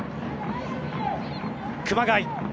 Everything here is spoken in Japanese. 熊谷